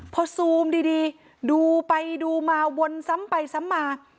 พอซูมดีดูไปดูมาวนซ้ำไปซ้ำมา